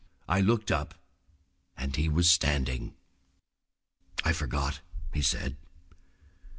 I looked up and he was standing. "I forgot," he said.